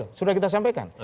betul sudah kita sampaikan